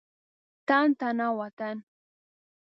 تن تنا وطن.